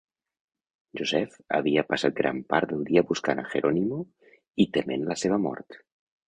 Josephe havia passat gran part del dia buscant a Jeronimo i tement la seva mort.